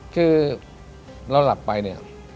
คือเราหลับไป